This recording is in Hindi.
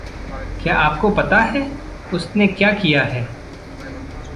क्या आपको पता है उसने क्या किया है?